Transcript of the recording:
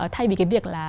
thay vì cái việc là